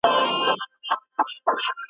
یاران به ناڅي نغمې به پاڅي `